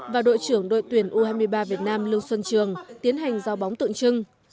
và đội trưởng đội tuyển u hai mươi ba việt nam lương xuân trường tiến hành giao bóng tượng trưng